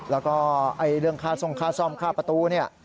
แล้วก็เรื่องค่าซ่มค่าประตูเนี่ย